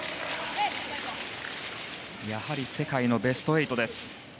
やはり世界のベスト８です。